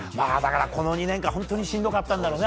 この２年間しんどかったんだろうね。